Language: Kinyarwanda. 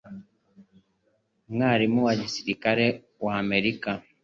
Umwarimu wa gisirikare w'Amerika